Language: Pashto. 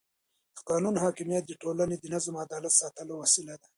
د قانون حاکمیت د ټولنې د نظم او عدالت د ساتلو وسیله ده